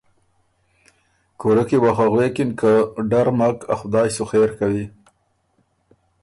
کُورۀ کی وه خه غوېکِن که ”ډر مک ا خدایٛ سُو خېر کوی“